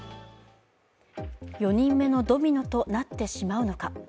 ４人目のドミノとなってしまうのか。